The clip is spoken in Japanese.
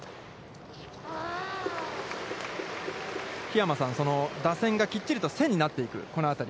桧山さん、打線がきっちりと線になっていく、このあたり。